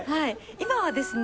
今はですね。